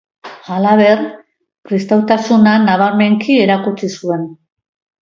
Halaber, kristautasuna nabarmenki erakutsi zuen.